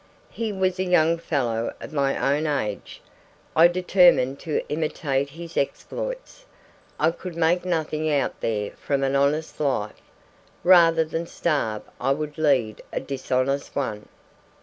He was a young fellow of my own age. I determined to imitate his exploits. I could make nothing out there from an honest life; rather than starve I would lead a dishonest one.